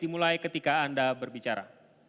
mulai ketika anda berbicara